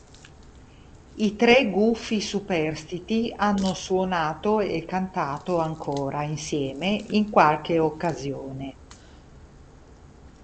I tre Gufi superstiti hanno suonato e cantato ancora insieme in qualche occasione.